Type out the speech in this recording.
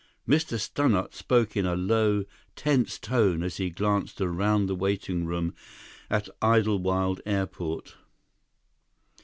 Mr. Stannart spoke in a low, tense tone as he glanced around the waiting room at Idlewild Airport.